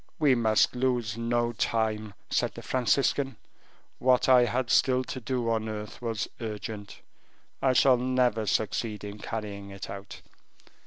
"We must lose no time," said the Franciscan; "what I had still to do on earth was urgent. I shall never succeed in carrying it out."